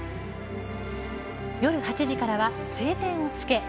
夜８時からは「青天を衝け」。